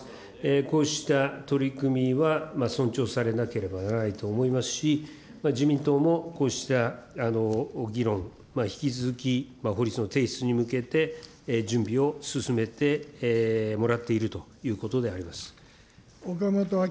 こうした取り組みは、尊重されなければならないと思いますし、自民党もこうした議論、引き続き法律の提出に向けて、準備を進めてもらっているということであります。